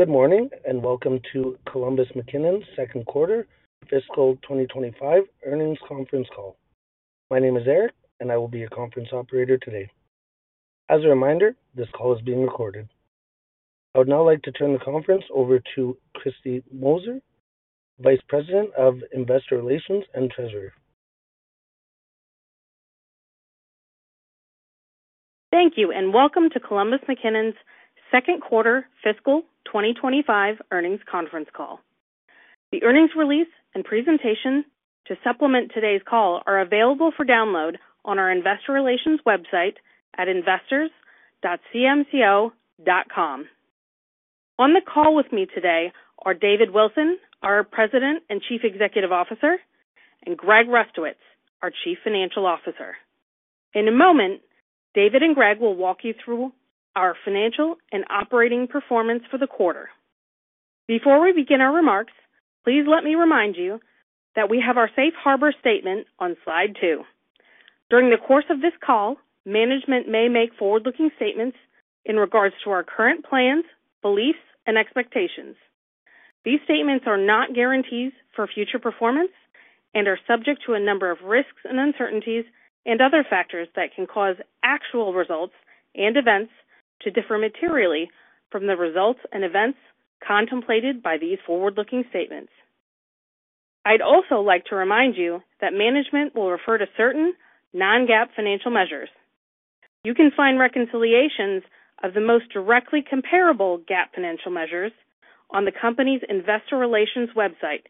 Good morning and welcome to Columbus McKinnon's Second Quarter, Fiscal 2025 Earnings Conference Call. My name is Eric, and I will be your conference operator today. As a reminder, this call is being recorded. I would now like to turn the conference over to Kristy Moser, Vice President of Investor Relations and Treasury. Thank you, and welcome to Columbus McKinnon's Second Quarter, Fiscal 2025 Earnings Conference Call. The earnings release and presentation to supplement today's call are available for download on our Investor Relations website at investors.cmco.com. On the call with me today are David Wilson, our President and Chief Executive Officer, and Greg Rustowicz, our Chief Financial Officer. In a moment, David and Greg will walk you through our financial and operating performance for the quarter. Before we begin our remarks, please let me remind you that we have our Safe Harbor Statement on slide two. During the course of this call, management may make forward-looking statements in regards to our current plans, beliefs, and expectations. These statements are not guarantees for future performance and are subject to a number of risks and uncertainties and other factors that can cause actual results and events to differ materially from the results and events contemplated by these forward-looking statements. I'd also like to remind you that management will refer to certain non-GAAP financial measures. You can find reconciliations of the most directly comparable GAAP financial measures on the company's Investor Relations website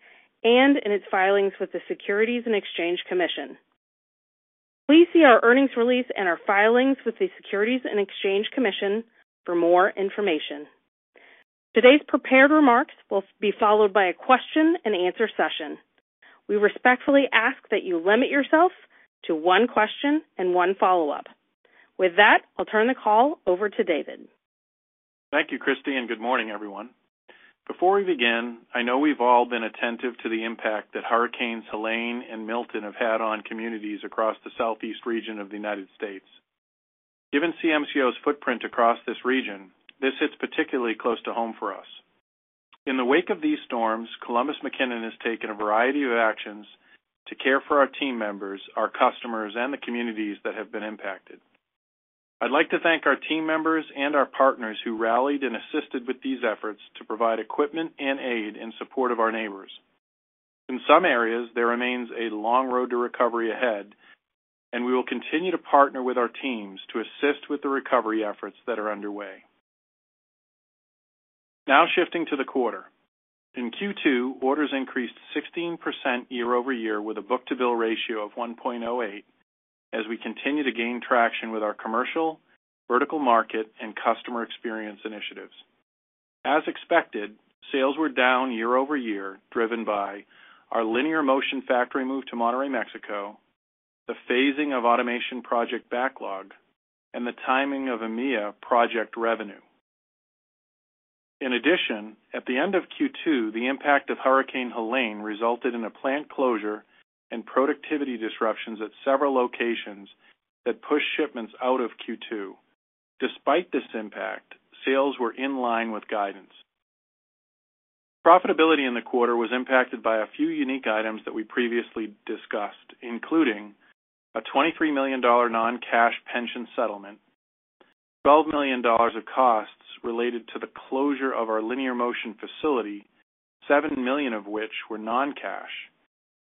and in its filings with the Securities and Exchange Commission. Please see our earnings release and our filings with the Securities and Exchange Commission for more information. Today's prepared remarks will be followed by a question-and-answer session. We respectfully ask that you limit yourself to one question and one follow-up. With that, I'll turn the call over to David. Thank you, Kristy, and good morning, everyone. Before we begin, I know we've all been attentive to the impact that Hurricanes Helene and Milton have had on communities across the Southeast region of the United States. Given CMCO's footprint across this region, this hits particularly close to home for us. In the wake of these storms, Columbus McKinnon has taken a variety of actions to care for our team members, our customers, and the communities that have been impacted. I'd like to thank our team members and our partners who rallied and assisted with these efforts to provide equipment and aid in support of our neighbors. In some areas, there remains a long road to recovery ahead, and we will continue to partner with our teams to assist with the recovery efforts that are underway. Now shifting to the quarter. In Q2, orders increased 16% year-over-year with a book-to-bill ratio of 1.08 as we continue to gain traction with our commercial, vertical market, and customer experience initiatives. As expected, sales were down year-over-year driven by our Linear Motion factory move to Monterrey, Mexico, the phasing of automation project backlog, and the timing of EMEA project revenue. In addition, at the end of Q2, the impact of Hurricane Helene resulted in a plant closure and productivity disruptions at several locations that pushed shipments out of Q2. Despite this impact, sales were in line with guidance. Profitability in the quarter was impacted by a few unique items that we previously discussed, including a $23 million non-cash pension settlement, $12 million of costs related to the closure of our Linear Motion facility, $7 million of which were non-cash,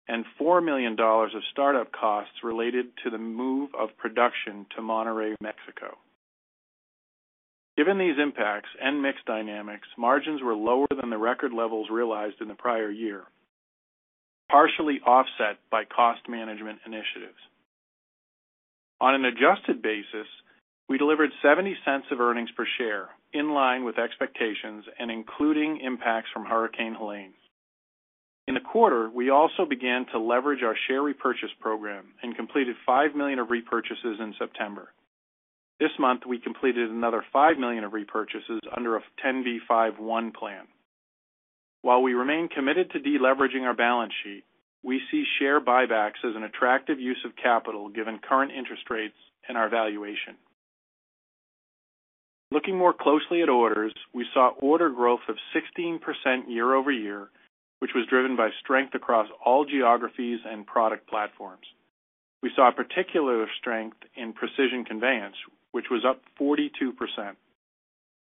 and $4 million of startup costs related to the move of production to Monterrey, Mexico. Given these impacts and mixed dynamics, margins were lower than the record levels realized in the prior year, partially offset by cost management initiatives. On an adjusted basis, we delivered $0.70 of earnings per share in line with expectations and including impacts from Hurricane Helene. In the quarter, we also began to leverage our share repurchase program and completed $5 million of repurchases in September. This month, we completed another $5 million of repurchases under a 10b5-1 plan. While we remain committed to deleveraging our balance sheet, we see share buybacks as an attractive use of capital given current interest rates and our valuation. Looking more closely at orders, we saw order growth of 16% year-over-year, which was driven by strength across all geographies and product platforms. We saw particular strength in Precision Conveyance, which was up 42%.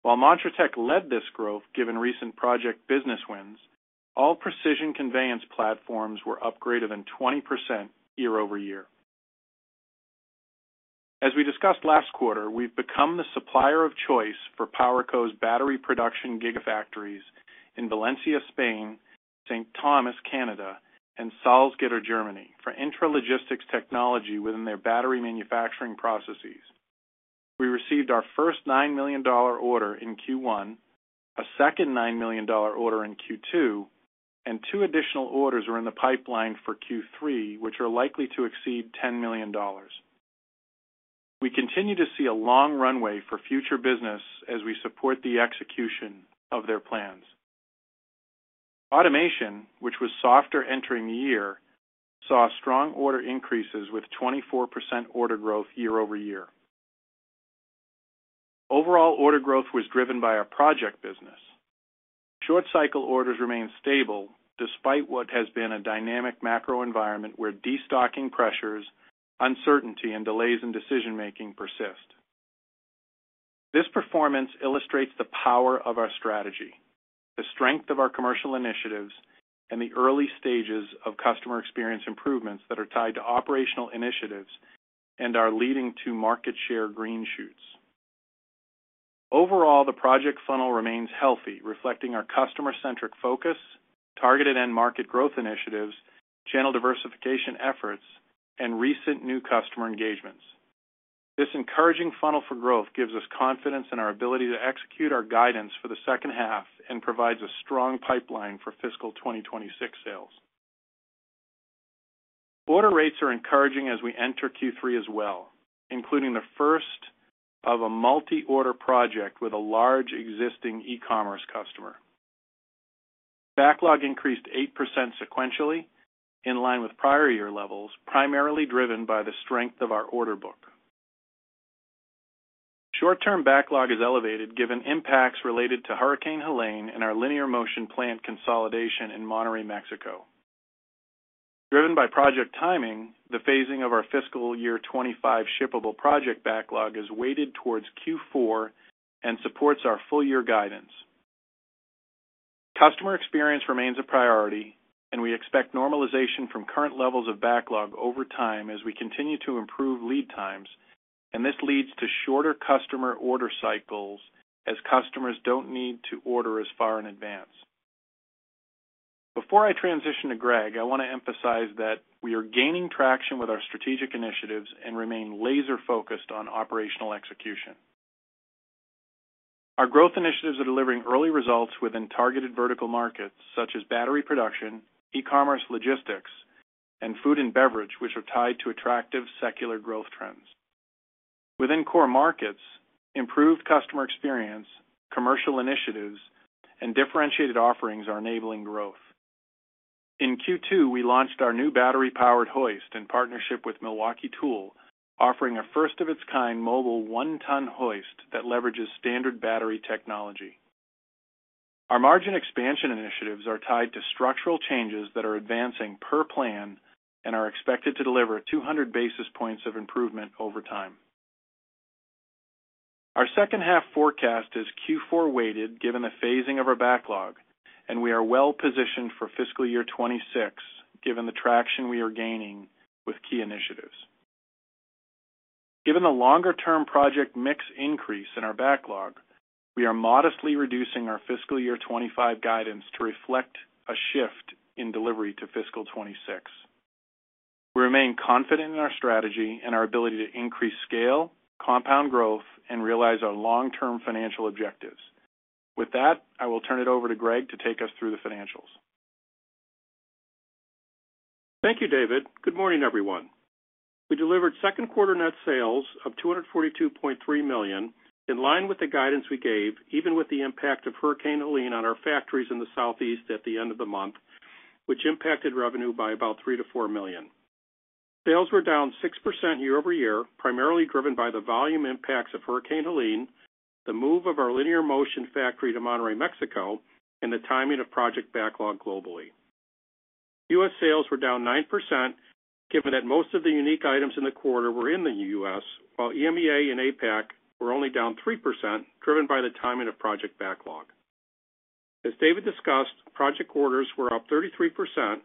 While Montratec led this growth given recent project business wins, all Precision Conveyance platforms were up 20% year-over-year. As we discussed last quarter, we've become the supplier of choice for PowerCo's battery production gigafactories in Valencia, Spain, St. Thomas, Canada, and Salzgitter, Germany, for intralogistics technology within their battery manufacturing processes. We received our first $9 million order in Q1, a second $9 million order in Q2, and two additional orders are in the pipeline for Q3, which are likely to exceed $10 million. We continue to see a long runway for future business as we support the execution of their plans. Automation, which was softer entering the year, saw strong order increases with 24% order growth year-over-year. Overall order growth was driven by our project business. Short-cycle orders remain stable despite what has been a dynamic macro environment where destocking pressures, uncertainty, and delays in decision-making persist. This performance illustrates the power of our strategy, the strength of our commercial initiatives, and the early stages of customer experience improvements that are tied to operational initiatives and are leading to market share green shoots. Overall, the project funnel remains healthy, reflecting our customer-centric focus, targeted end-market growth initiatives, channel diversification efforts, and recent new customer engagements. This encouraging funnel for growth gives us confidence in our ability to execute our guidance for the second half and provides a strong pipeline for fiscal 2026 sales. Order rates are encouraging as we enter Q3 as well, including the first of a multi-order project with a large existing e-commerce customer. Backlog increased 8% sequentially in line with prior year levels, primarily driven by the strength of our order book. Short-term backlog is elevated given impacts related to Hurricane Helene and our Linear Motion plant consolidation in Monterrey, Mexico. Driven by project timing, the phasing of our fiscal year 2025 shippable project backlog is weighted towards Q4 and supports our full-year guidance. Customer experience remains a priority, and we expect normalization from current levels of backlog over time as we continue to improve lead times, and this leads to shorter customer order cycles as customers don't need to order as far in advance. Before I transition to Greg, I want to emphasize that we are gaining traction with our strategic initiatives and remain laser-focused on operational execution. Our growth initiatives are delivering early results within targeted vertical markets such as battery production, e-commerce logistics, and food and beverage, which are tied to attractive secular growth trends. Within core markets, improved customer experience, commercial initiatives, and differentiated offerings are enabling growth. In Q2, we launched our new battery-powered hoist in partnership with Milwaukee Tool, offering a first-of-its-kind mobile one-ton hoist that leverages standard battery technology. Our margin expansion initiatives are tied to structural changes that are advancing per plan and are expected to deliver 200 basis points of improvement over time. Our second-half forecast is Q4-weighted given the phasing of our backlog, and we are well-positioned for fiscal year 2026 given the traction we are gaining with key initiatives. Given the longer-term project mix increase in our backlog, we are modestly reducing our fiscal year 2025 guidance to reflect a shift in delivery to fiscal 2026. We remain confident in our strategy and our ability to increase scale, compound growth, and realize our long-term financial objectives. With that, I will turn it over to Greg to take us through the financials. Thank you, David. Good morning, everyone. We delivered second-quarter net sales of $242.3 million in line with the guidance we gave, even with the impact of Hurricane Helene on our factories in the Southeast at the end of the month, which impacted revenue by about $3-$4 million. Sales were down 6% year-over-year, primarily driven by the volume impacts of Hurricane Helene, the move of our Linear Motion factory to Monterrey, Mexico, and the timing of project backlog globally. U.S. sales were down 9% given that most of the unique items in the quarter were in the U.S., while EMEA and APAC were only down 3%, driven by the timing of project backlog. As David discussed, project orders were up 33%,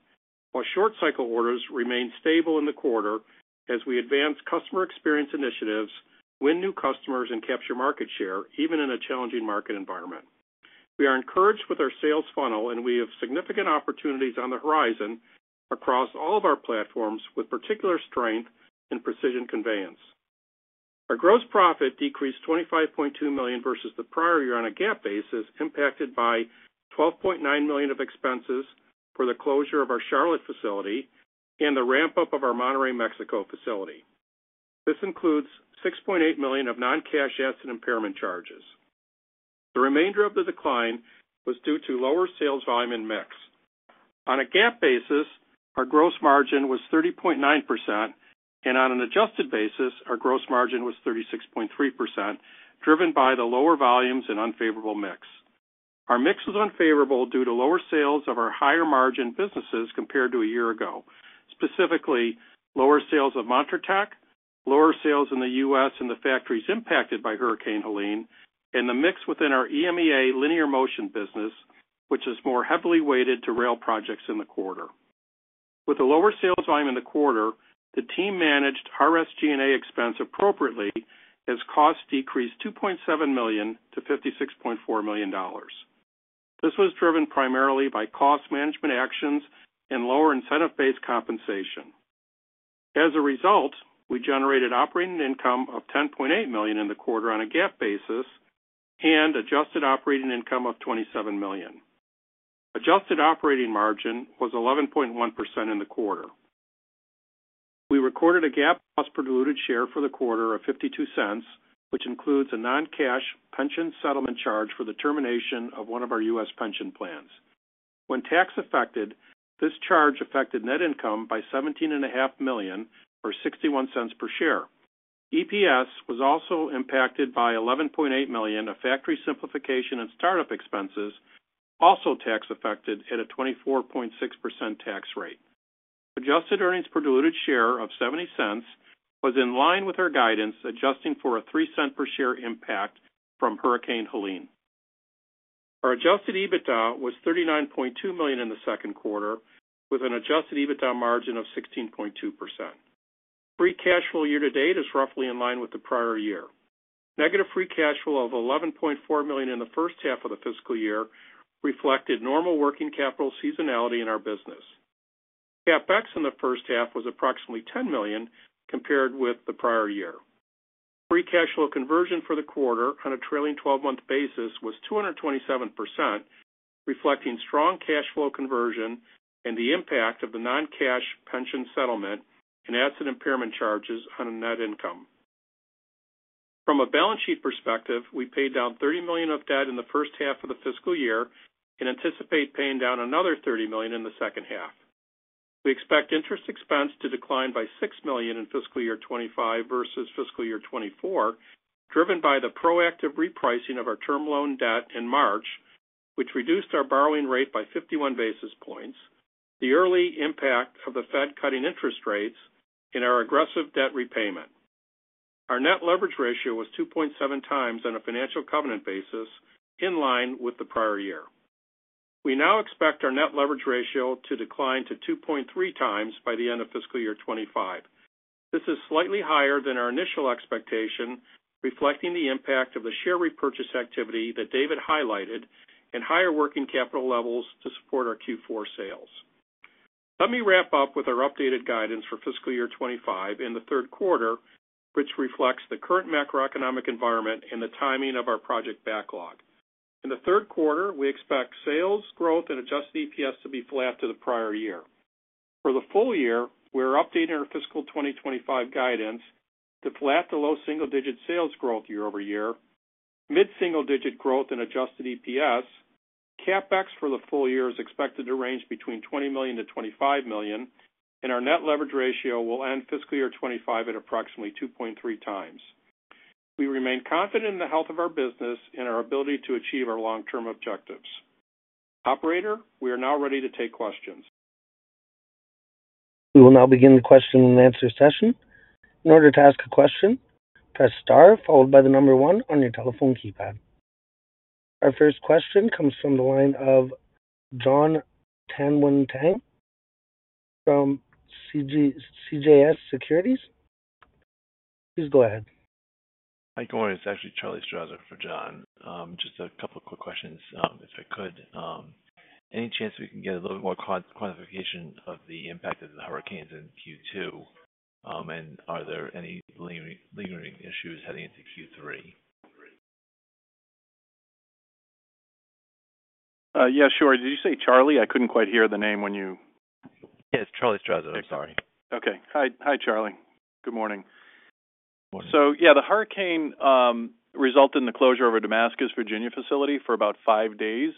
while short-cycle orders remained stable in the quarter as we advanced customer experience initiatives, win new customers, and capture market share, even in a challenging market environment. We are encouraged with our sales funnel, and we have significant opportunities on the horizon across all of our platforms with particular strength in Precision Conveyance. Our gross profit decreased $25.2 million versus the prior year on a GAAP basis, impacted by $12.9 million of expenses for the closure of our Charlotte facility and the ramp-up of our Monterrey, Mexico facility. This includes $6.8 million of non-cash asset impairment charges. The remainder of the decline was due to lower sales volume in mix. On a GAAP basis, our gross margin was 30.9%, and on an adjusted basis, our gross margin was 36.3%, driven by the lower volumes and unfavorable mix. Our mix was unfavorable due to lower sales of our higher-margin businesses compared to a year ago, specifically lower sales of Montratec, lower sales in the U.S. and the factories impacted by Hurricane Helene, and the mix within our EMEA Linear Motion business, which is more heavily weighted to rail projects in the quarter. With the lower sales volume in the quarter, the team managed SG&A expense appropriately as costs decreased $2.7 million to $56.4 million. This was driven primarily by cost management actions and lower incentive-based compensation. As a result, we generated operating income of $10.8 million in the quarter on a GAAP basis and adjusted operating income of $27 million. Adjusted operating margin was 11.1% in the quarter. We recorded a GAAP loss per diluted share for the quarter of $0.52, which includes a non-cash pension settlement charge for the termination of one of our U.S. pension plans. When tax-affected, this charge affected net income by $17.5 million or $0.61 per share. EPS was also impacted by $11.8 million of factory simplification and startup expenses, also tax-affected at a 24.6% tax rate. Adjusted earnings per diluted share of $0.70 was in line with our guidance, adjusting for a $0.03 per share impact from Hurricane Helene. Our adjusted EBITDA was $39.2 million in the second quarter, with an adjusted EBITDA margin of 16.2%. Free cash flow year-to-date is roughly in line with the prior year. Negative free cash flow of $11.4 million in the first half of the fiscal year reflected normal working capital seasonality in our business. CapEx in the first half was approximately $10 million compared with the prior year. Free cash flow conversion for the quarter on a trailing 12-month basis was 227%, reflecting strong cash flow conversion and the impact of the non-cash pension settlement and asset impairment charges on net income. From a balance sheet perspective, we paid down $30 million of debt in the first half of the fiscal year and anticipate paying down another $30 million in the second half. We expect interest expense to decline by $6 million in fiscal year 2025 versus fiscal year 2024, driven by the proactive repricing of our term loan debt in March, which reduced our borrowing rate by 51 basis points, the early impact of the Fed cutting interest rates, and our aggressive debt repayment. Our net leverage ratio was 2.7 times on a financial covenant basis, in line with the prior year. We now expect our net leverage ratio to decline to 2.3 times by the end of fiscal year 2025. This is slightly higher than our initial expectation, reflecting the impact of the share repurchase activity that David highlighted and higher working capital levels to support our Q4 sales. Let me wrap up with our updated guidance for fiscal year 2025 and the third quarter, which reflects the current macroeconomic environment and the timing of our project backlog. In the third quarter, we expect sales, growth, and adjusted EPS to be flat to the prior year. For the full year, we're updating our fiscal 2025 guidance to flat to low single-digit sales growth year-over-year, mid-single-digit growth and adjusted EPS. CapEx for the full year is expected to range between $20 million-$25 million, and our net leverage ratio will end fiscal year 2025 at approximately 2.3 times. We remain confident in the health of our business and our ability to achieve our long-term objectives. Operator, we are now ready to take questions. We will now begin the question and answer session. In order to ask a question, press star followed by the number one on your telephone keypad. Our first question comes from the line of John Tanwanteng from CJS Securities. Please go ahead. Hi, good morning. It's actually Charlie Strauzer for John. Just a couple of quick questions, if I could. Any chance we can get a little more quantification of the impact of the hurricanes in Q2? And are there any lingering issues heading into Q3? Yeah, sure. Did you say Charlie? I couldn't quite hear the name when you... Yes, Charlie Strauzer. I'm sorry. Okay. Hi, Charlie. Good morning. So yeah, the Hurricane resulted in the closure of our Damascus, Virginia facility for about five days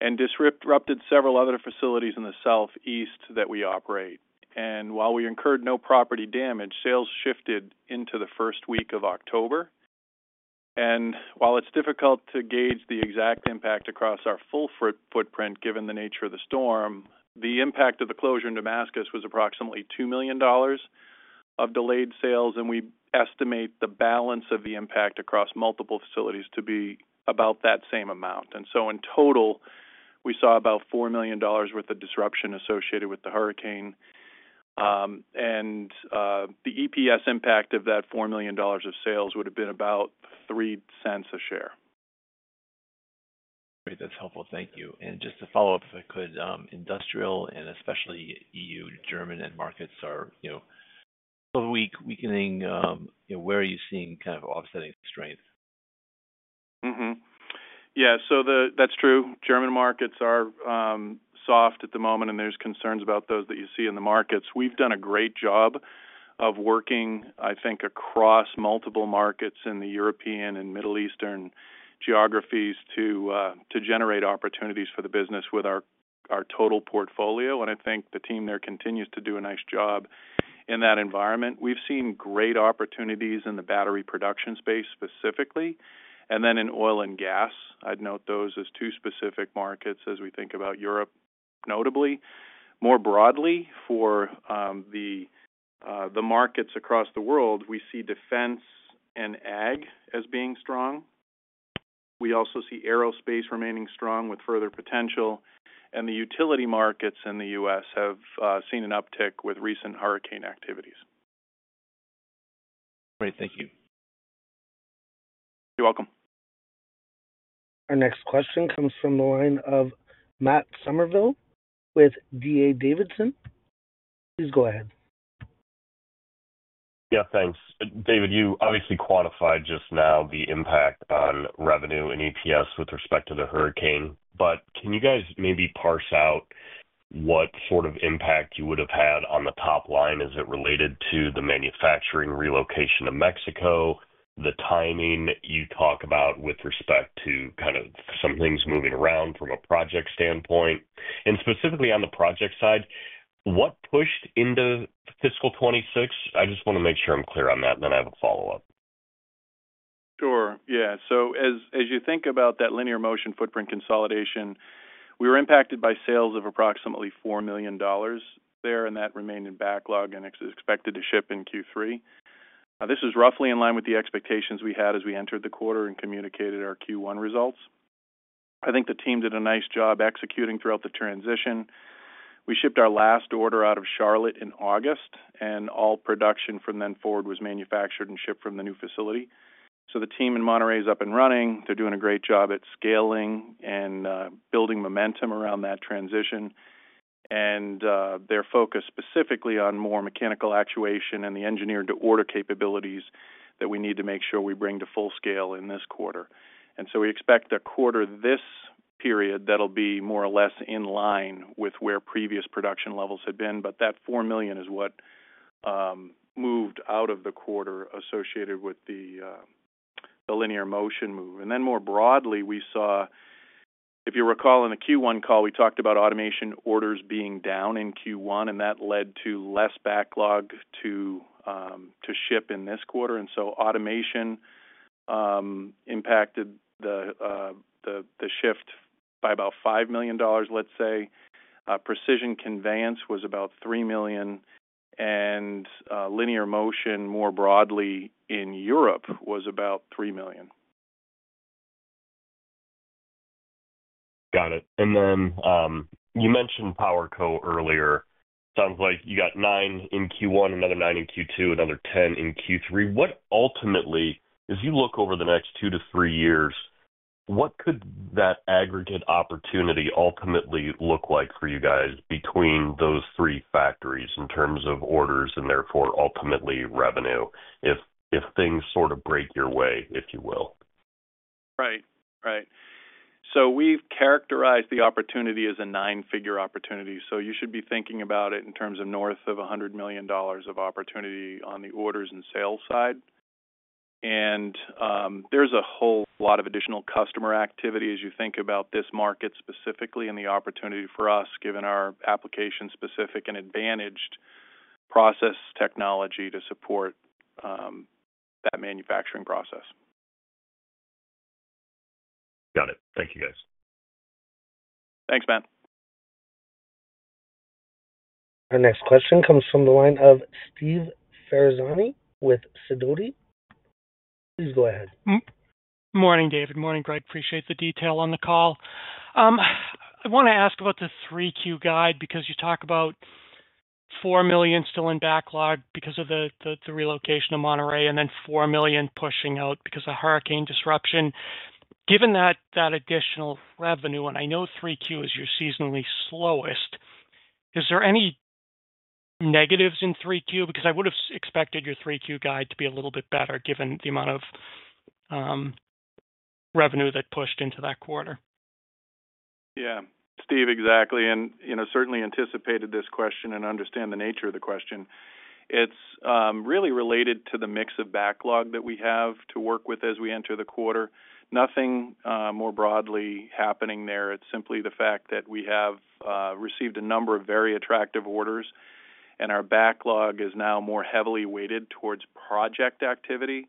and disrupted several other facilities in the Southeast that we operate. And while we incurred no property damage, sales shifted into the first week of October. And while it's difficult to gauge the exact impact across our full footprint, given the nature of the storm, the impact of the closure in Damascus was approximately $2 million of delayed sales, and we estimate the balance of the impact across multiple facilities to be about that same amount. And so in total, we saw about $4 million worth of disruption associated with the hurricane. And the EPS impact of that $4 million of sales would have been about $0.03 a share. Great. That's helpful. Thank you. And just to follow up, if I could, industrial, and especially E.U., German, and markets are slowly weakening. Where are you seeing kind of offsetting strength? Yeah. So that's true. German markets are soft at the moment, and there's concerns about those that you see in the markets. We've done a great job of working, I think, across multiple markets in the European and Middle Eastern geographies to generate opportunities for the business with our total portfolio. And I think the team there continues to do a nice job in that environment. We've seen great opportunities in the battery production space specifically, and then in oil and gas. I'd note those as two specific markets as we think about Europe, notably. More broadly, for the markets across the world, we see defense and ag as being strong. We also see aerospace remaining strong with further potential. And the utility markets in the U.S. have seen an uptick with recent hurricane activities. Great. Thank you. You're welcome. Our next question comes from the line of Matt Summerville with D.A. Davidson. Please go ahead. Yeah, thanks. David, you obviously quantified just now the impact on revenue and EPS with respect to the hurricane. But can you guys maybe parse out what sort of impact you would have had on the top line as it related to the manufacturing relocation to Mexico, the timing you talk about with respect to kind of some things moving around from a project standpoint? And specifically on the project side, what pushed into fiscal 2026? I just want to make sure I'm clear on that, and then I have a follow-up. Sure. Yeah. So as you think about that Linear Motion footprint consolidation, we were impacted by sales of approximately $4 million there, and that remained in backlog and expected to ship in Q3. This was roughly in line with the expectations we had as we entered the quarter and communicated our Q1 results. I think the team did a nice job executing throughout the transition. We shipped our last order out of Charlotte in August, and all production from then forward was manufactured and shipped from the new facility. So the team in Monterrey is up and running. They're doing a great job at scaling and building momentum around that transition. And they're focused specifically on more mechanical actuation and the engineered-to-order capabilities that we need to make sure we bring to full scale in this quarter. We expect the quarter this period that'll be more or less in line with where previous production levels had been. But that $4 million is what moved out of the quarter associated with the Linear Motion move. And then more broadly, we saw, if you recall, in the Q1 call, we talked about automation orders being down in Q1, and that led to less backlog to ship in this quarter. And so automation impacted the shift by about $5 million, let's say. Precision Conveyance was about $3 million, and Linear Motion more broadly in Europe was about $3 million. Got it. And then you mentioned PowerCo earlier. Sounds like you got nine in Q1, another nine in Q2, another 10 in Q3. What ultimately, as you look over the next two to three years, what could that aggregate opportunity ultimately look like for you guys between those three factories in terms of orders and therefore ultimately revenue if things sort of break your way, if you will? Right. Right. So we've characterized the opportunity as a nine-figure opportunity. So you should be thinking about it in terms of north of $100 million of opportunity on the orders and sales side. And there's a whole lot of additional customer activity as you think about this market specifically and the opportunity for us, given our application-specific and advantaged process technology to support that manufacturing process. Got it. Thank you, guys. Thanks, Matt. Our next question comes from the line of Steve Ferazani with Sidoti. Please go ahead. Good morning, David. Good morning, Greg. Appreciate the detail on the call. I want to ask about the 3Q guide because you talk about $4 million still in backlog because of the relocation of Monterrey and then $4 million pushing out because of hurricane disruption. Given that additional revenue, and I know 3Q is your seasonally slowest, is there any negatives in 3Q? Because I would have expected your 3Q guide to be a little bit better given the amount of revenue that pushed into that quarter. Yeah. Steve, exactly. And certainly anticipated this question and understand the nature of the question. It's really related to the mix of backlog that we have to work with as we enter the quarter. Nothing more broadly happening there. It's simply the fact that we have received a number of very attractive orders, and our backlog is now more heavily weighted towards project activity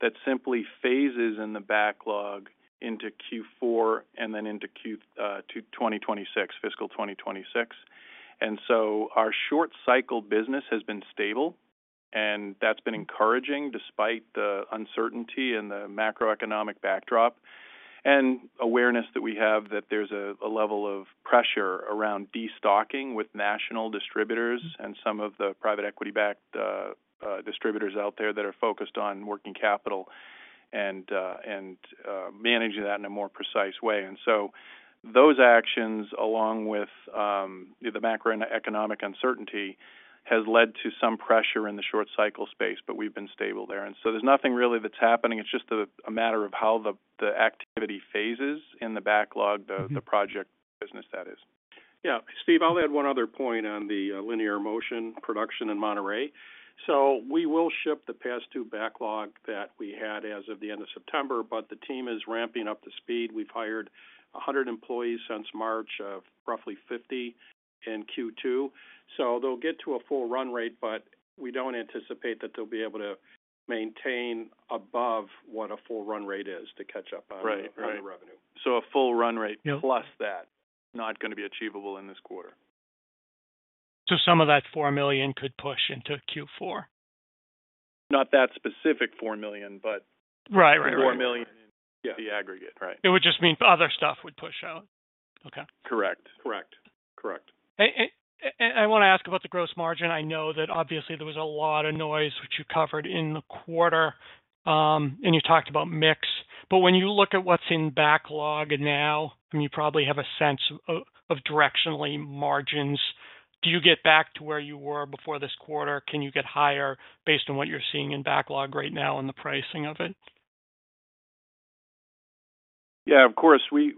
that simply phases in the backlog into Q4 and then into 2026, fiscal 2026. And so our short-cycle business has been stable, and that's been encouraging despite the uncertainty and the macroeconomic backdrop and awareness that we have that there's a level of pressure around destocking with national distributors and some of the private equity-backed distributors out there that are focused on working capital and managing that in a more precise way. And so those actions, along with the macroeconomic uncertainty, have led to some pressure in the short-cycle space, but we've been stable there. And so there's nothing really that's happening. It's just a matter of how the activity phases in the backlog, the project business, that is. Yeah. Steve, I'll add one other point on the Linear Motion production in Monterrey. So we will ship the past due backlog that we had as of the end of September, but the team is ramping up the speed. We've hired 100 employees since March of roughly 50 in Q2. So they'll get to a full run rate, but we don't anticipate that they'll be able to maintain above what a full run rate is to catch up on the revenue. So a full run rate plus that is not going to be achievable in this quarter. So some of that $4 million could push into Q4? Not that specific $4 million, but $4 million in the aggregate. Right. It would just mean other stuff would push out. Okay. Correct. Correct. Correct. I want to ask about the gross margin. I know that obviously there was a lot of noise, which you covered in the quarter, and you talked about mix. But when you look at what's in backlog now, I mean, you probably have a sense of directionally margins. Do you get back to where you were before this quarter? Can you get higher based on what you're seeing in backlog right now and the pricing of it? Yeah. Of course. We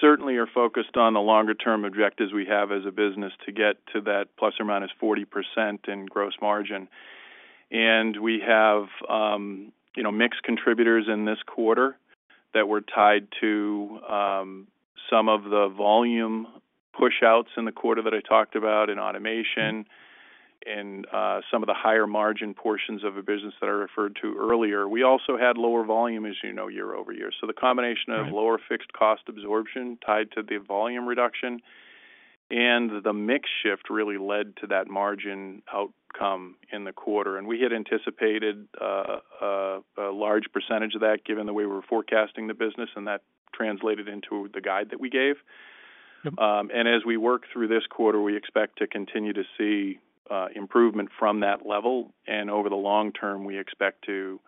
certainly are focused on the longer-term objectives we have as a business to get to that plus or minus 40% in gross margin. And we have mixed contributors in this quarter that were tied to some of the volume push-outs in the quarter that I talked about in automation and some of the higher margin portions of a business that I referred to earlier. We also had lower volume, as you know, year-over-year. So the combination of lower fixed cost absorption tied to the volume reduction and the mix shift really led to that margin outcome in the quarter. And we had anticipated a large percentage of that given the way we were forecasting the business, and that translated into the guide that we gave. And as we work through this quarter, we expect to continue to see improvement from that level. Over the long term, we expect to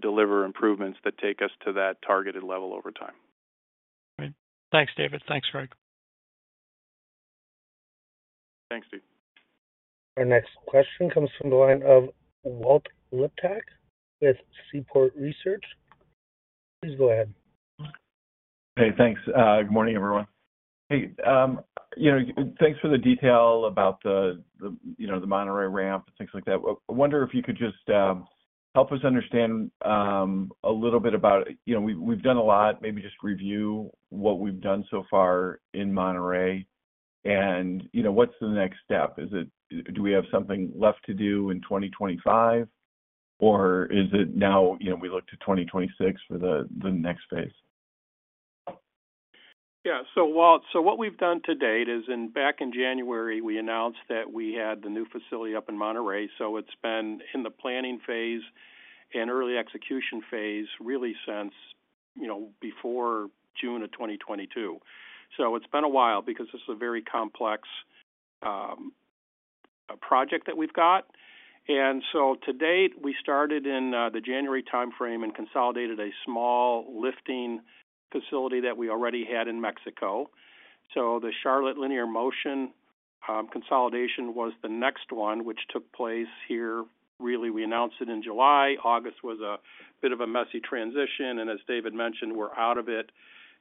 deliver improvements that take us to that targeted level over time. Great. Thanks, David. Thanks, Greg. Thanks, Steve. Our next question comes from the line of Walt Liptak with Seaport Research. Please go ahead. Hey, thanks. Good morning, everyone. Hey, thanks for the detail about the Monterrey ramp and things like that. I wonder if you could just help us understand a little bit about we've done a lot. Maybe just review what we've done so far in Monterrey and what's the next step? Do we have something left to do in 2025, or is it now we look to 2026 for the next phase? Yeah. So what we've done to date is back in January, we announced that we had the new facility up in Monterrey. So it's been in the planning phase and early execution phase really since before June of 2022. So it's been a while because this is a very complex project that we've got. And so to date, we started in the January timeframe and consolidated a small lifting facility that we already had in Mexico. So the Charlotte Linear motion consolidation was the next one, which took place here. Really, we announced it in July. August was a bit of a messy transition. And as David mentioned, we're out of it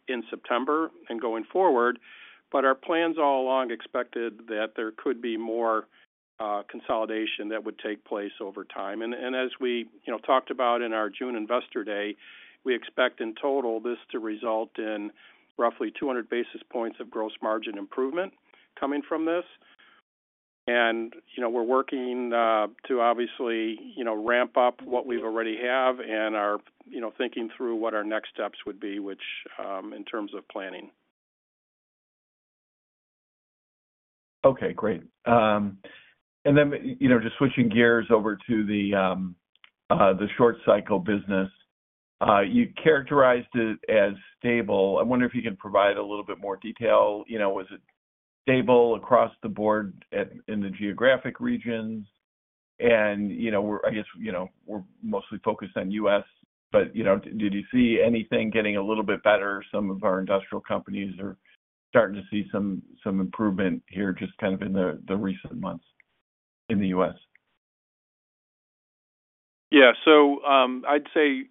in September and going forward. But our plans all along expected that there could be more consolidation that would take place over time. And as we talked about in our June investor day, we expect in total this to result in roughly 200 basis points of gross margin improvement coming from this. And we're working to obviously ramp up what we've already have and are thinking through what our next steps would be, which in terms of planning. Okay. Great. And then just switching gears over to the short-cycle business, you characterized it as stable. I wonder if you can provide a little bit more detail. Was it stable across the board in the geographic regions? And I guess we're mostly focused on U.S., but did you see anything getting a little bit better? Some of our industrial companies are starting to see some improvement here just kind of in the recent months in the U.S. Yeah. So I'd say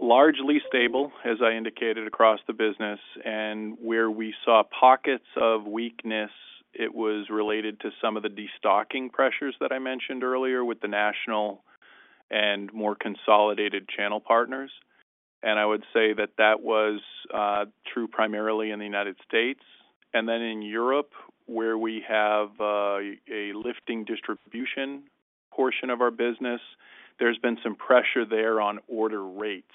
largely stable, as I indicated, across the business. And where we saw pockets of weakness, it was related to some of the destocking pressures that I mentioned earlier with the national and more consolidated channel partners. And I would say that that was true primarily in the United States. And then in Europe, where we have a lifting distribution portion of our business, there's been some pressure there on order rates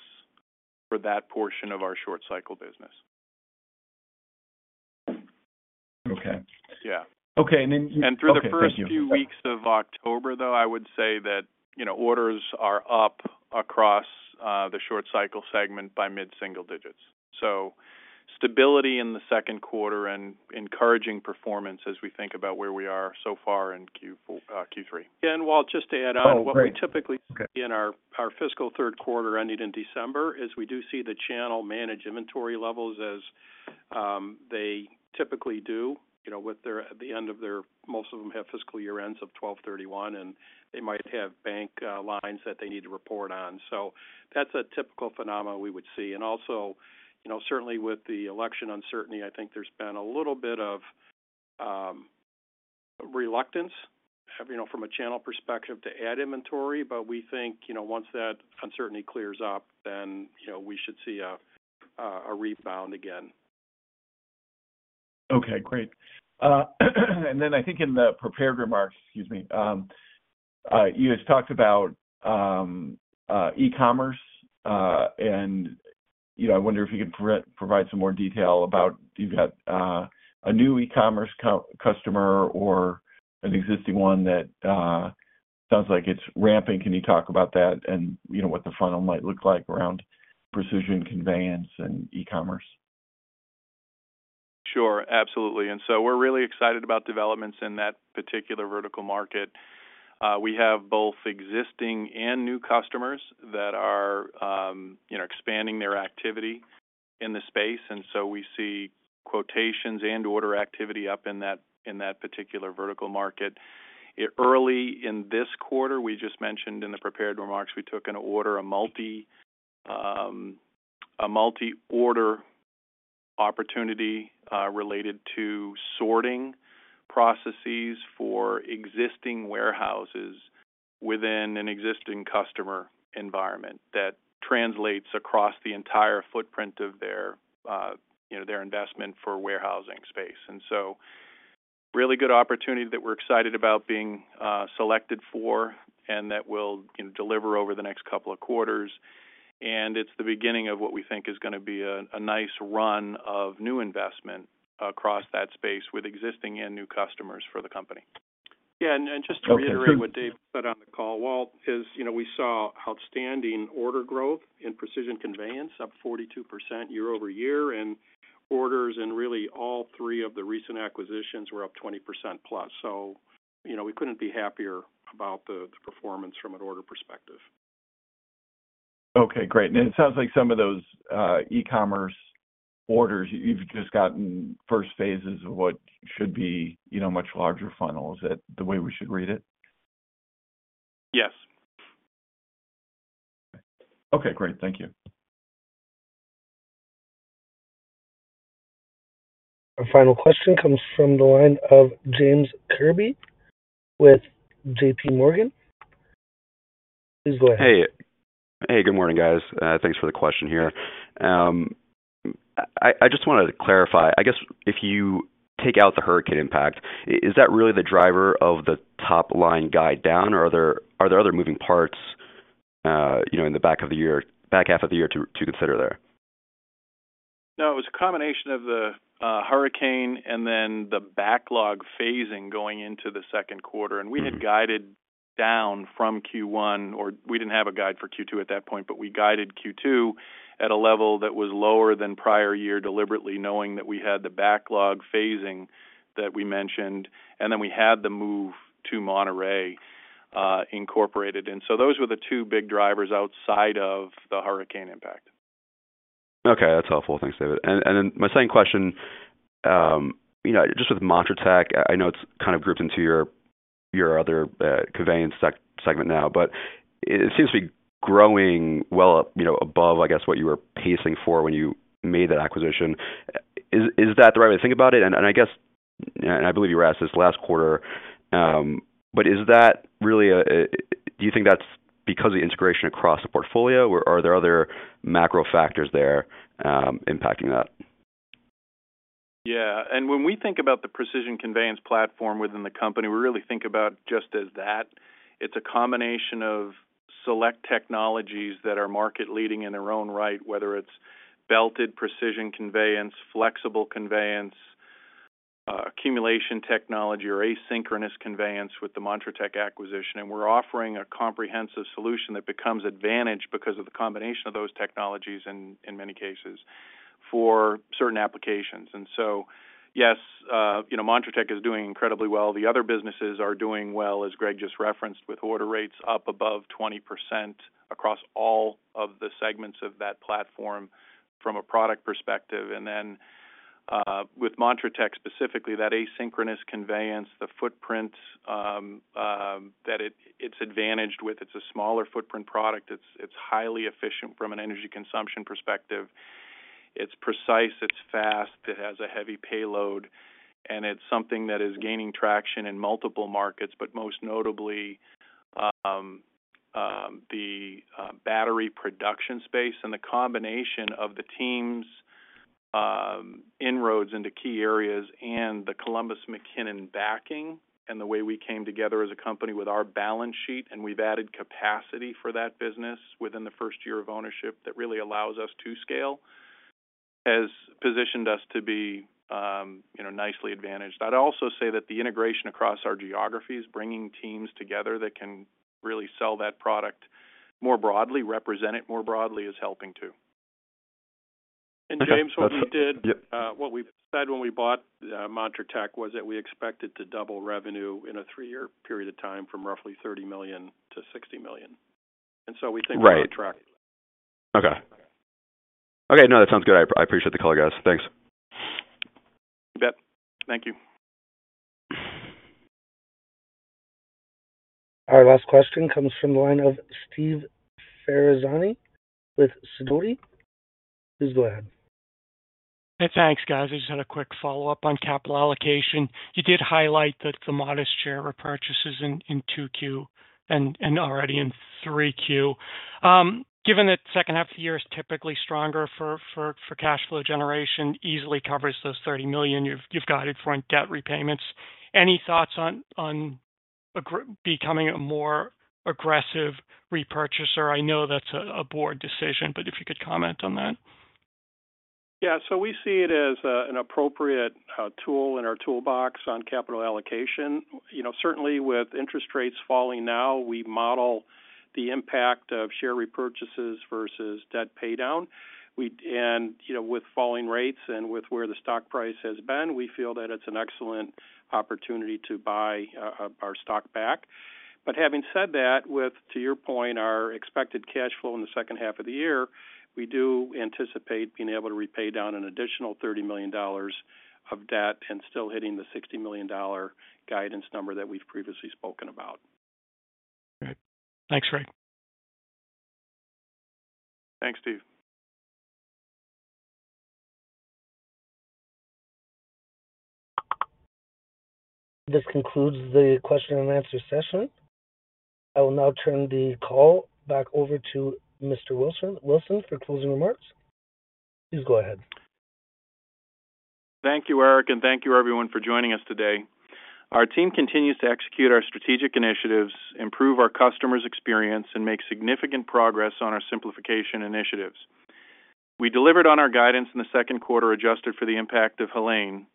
for that portion of our short-cycle business. Okay. Okay. And then you've been consistent. Through the first few weeks of October, though, I would say that orders are up across the short-cycle segment by mid-single digits. So stability in the second quarter and encouraging performance as we think about where we are so far in Q3. Walt, just to add on, what we typically see in our fiscal third quarter ending in December is we do see the channel manage inventory levels as they typically do with the end of their most of them have fiscal year ends of 12/31, and they might have bank lines that they need to report on. So that's a typical phenomenon we would see. And also, certainly with the election uncertainty, I think there's been a little bit of reluctance from a channel perspective to add inventory. But we think once that uncertainty clears up, then we should see a rebound again. Okay. Great. And then I think in the prepared remarks, excuse me, you had talked about e-commerce. And I wonder if you could provide some more detail about you've got a new e-commerce customer or an existing one that sounds like it's ramping. Can you talk about that and what the funnel might look like around Precision Conveyance and e-commerce? Sure. Absolutely. And so we're really excited about developments in that particular vertical market. We have both existing and new customers that are expanding their activity in the space. And so we see quotations and order activity up in that particular vertical market. Early in this quarter, we just mentioned in the prepared remarks, we took an order, a multi-order opportunity related to sorting processes for existing warehouses within an existing customer environment that translates across the entire footprint of their investment for warehousing space. And so really good opportunity that we're excited about being selected for and that will deliver over the next couple of quarters. And it's the beginning of what we think is going to be a nice run of new investment across that space with existing and new customers for the company. Yeah. And just to reiterate what Dave said on the call, Walt, is we saw outstanding order growth in Precision Conveyance, up 42% year-over-year. And orders in really all three of the recent acquisitions were up 20% plus. So we couldn't be happier about the performance from an order perspective. Okay. Great. And it sounds like some of those e-commerce orders, you've just gotten first phases of what should be much larger funnels. Is that the way we should read it? Yes. Okay. Okay. Great. Thank you. Our final question comes from the line of James Kirby with J.P. Morgan. Please go ahead. Hey. Hey. Good morning, guys. Thanks for the question here. I just want to clarify. I guess if you take out the hurricane impact, is that really the driver of the top-line guide down, or are there other moving parts in the back half of the year to consider there? No. It was a combination of the hurricane and then the backlog phasing going into the second quarter. And we had guided down from Q1, or we didn't have a guide for Q2 at that point, but we guided Q2 at a level that was lower than prior year deliberately, knowing that we had the backlog phasing that we mentioned. And then we had the move to Monterrey incorporated. And so those were the two big drivers outside of the hurricane impact. Okay. That's helpful. Thanks, David. And then my second question, just with Montratec, I know it's kind of grouped into your other conveyance segment now, but it seems to be growing well above, I guess, what you were pacing for when you made that acquisition. Is that the right way to think about it? And I guess, and I believe you were asked this last quarter, but is that really a do you think that's because of the integration across the portfolio, or are there other macro factors there impacting that? Yeah. And when we think about the Precision Conveyance platform within the company, we really think about just as that. It's a combination of select technologies that are market-leading in their own right, whether it's belted precision conveyance, flexible conveyance, accumulation technology, or asynchronous conveyance with the Montratec acquisition. And we're offering a comprehensive solution that becomes advantage because of the combination of those technologies in many cases for certain applications. And so, yes, Montratec is doing incredibly well. The other businesses are doing well, as Greg just referenced, with order rates up above 20% across all of the segments of that platform from a product perspective. And then with Montratec specifically, that asynchronous conveyance, the footprint that it's advantaged with, it's a smaller footprint product. It's highly efficient from an energy consumption perspective. It's precise. It's fast. It has a heavy payload. And it's something that is gaining traction in multiple markets, but most notably the battery production space and the combination of the team's inroads into key areas and the Columbus McKinnon backing and the way we came together as a company with our balance sheet. And we've added capacity for that business within the first year of ownership that really allows us to scale, has positioned us to be nicely advantaged. I'd also say that the integration across our geographies, bringing teams together that can really sell that product more broadly, represent it more broadly is helping too. And James, what we did, what we said when we bought Montratec was that we expected to double revenue in a three-year period of time from roughly $30 million to $60 million. And so we think we're on track. Right. Okay. Okay. No, that sounds good. I appreciate the call, guys. Thanks. You bet. Thank you. Our last question comes from the line of Steve Ferazani with Sidoti. Please go ahead. Hey, thanks, guys. I just had a quick follow-up on capital allocation. You did highlight that the modest share of purchases in 2Q and already in 3Q. Given that second half of the year is typically stronger for cash flow generation, easily covers those $30 million. You've guided for debt repayments. Any thoughts on becoming a more aggressive repurchaser? I know that's a board decision, but if you could comment on that. Yeah. So we see it as an appropriate tool in our toolbox on capital allocation. Certainly, with interest rates falling now, we model the impact of share repurchases versus debt paydown. And with falling rates and with where the stock price has been, we feel that it's an excellent opportunity to buy our stock back. But having said that, to your point, our expected cash flow in the second half of the year, we do anticipate being able to repay down an additional $30 million of debt and still hitting the $60 million guidance number that we've previously spoken about. Great. Thanks, Dave. Thanks, Steve. This concludes the question and answer session. I will now turn the call back over to Mr. Wilson for closing remarks. Please go ahead. Thank you, Eric, and thank you, everyone, for joining us today. Our team continues to execute our strategic initiatives, improve our customers' experience, and make significant progress on our simplification initiatives. We delivered on our guidance in the second quarter adjusted for the impact of Helene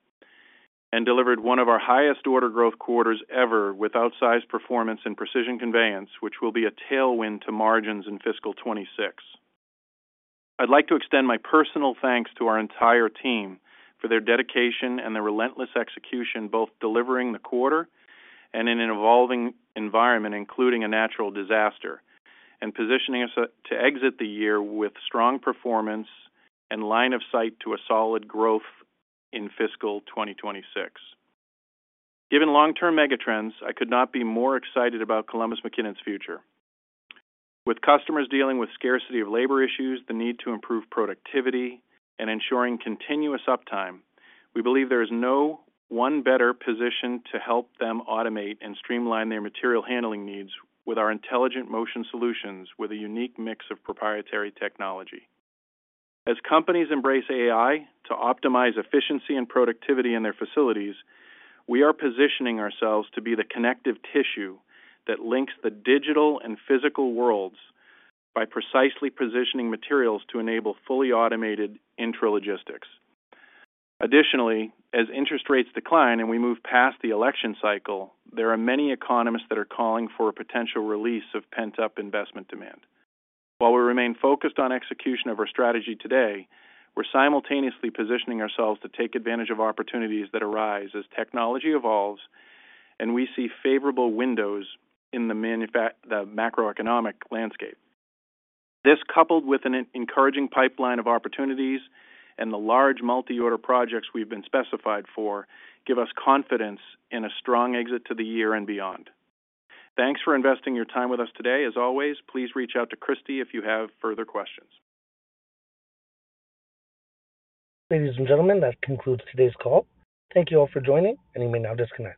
and delivered one of our highest order growth quarters ever with outsized performance in Precision Conveyance, which will be a tailwind to margins in fiscal 2026. I'd like to extend my personal thanks to our entire team for their dedication and the relentless execution, both delivering the quarter and in an evolving environment, including a natural disaster, and positioning us to exit the year with strong performance and line of sight to a solid growth in fiscal 2026. Given long-term megatrends, I could not be more excited about Columbus McKinnon's future. With customers dealing with scarcity of labor issues, the need to improve productivity, and ensuring continuous uptime, we believe there is no one better position to help them automate and streamline their material handling needs with our intelligent motion solutions with a unique mix of proprietary technology. As companies embrace AI to optimize efficiency and productivity in their facilities, we are positioning ourselves to be the connective tissue that links the digital and physical worlds by precisely positioning materials to enable fully automated intralogistics. Additionally, as interest rates decline and we move past the election cycle, there are many economists that are calling for a potential release of pent-up investment demand. While we remain focused on execution of our strategy today, we're simultaneously positioning ourselves to take advantage of opportunities that arise as technology evolves and we see favorable windows in the macroeconomic landscape. This, coupled with an encouraging pipeline of opportunities and the large multi-order projects we've been specified for, give us confidence in a strong exit to the year and beyond. Thanks for investing your time with us today. As always, please reach out to Kristy if you have further questions. Ladies and gentlemen, that concludes today's call. Thank you all for joining, and you may now disconnect.